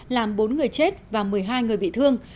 làm bốn người chết và một mươi hai người bị thương